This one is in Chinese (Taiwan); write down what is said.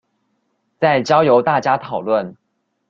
再交由大家討論